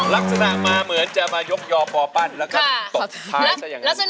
ลักษณะมาเหมือนจะมายกยอบปปั้นแล้วก็ตกท้ายใช่ไหม